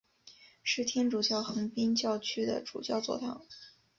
是天主教横滨教区的主教座堂。